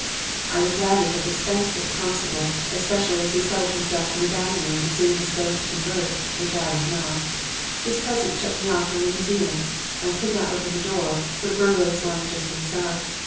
"I would gladly have dispensed with that constable, especially as he settled himself in the dining room and seemed disposed to converse, which I was not. His presence shut me off from the museum. I could not open the door, for the burglar was lying just inside.